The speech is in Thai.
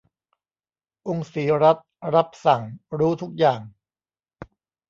องค์ศรีรัศมิ์ รับสั่ง รู้ทุกอย่าง